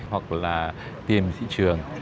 hoặc là tìm thị trường